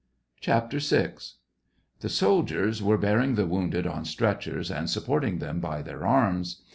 68 SEVASTOPOL IN MAY. VI. The soldiers were bearing the wounded on stretchers, and supporting them by their arms.